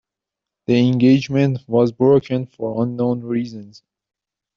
The engagement was broken for unknown reasons.